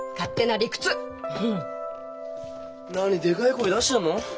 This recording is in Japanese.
何でかい声出してるの？